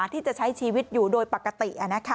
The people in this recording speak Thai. ที่จะใช้ชีวิตอยู่โดยปกติ